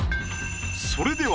それでは。